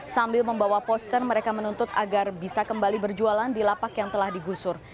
sambil membawa poster mereka menuntut agar bisa kembali berjualan di lapak yang telah digusur